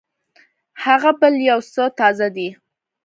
هغه بل يو څه تازه دی.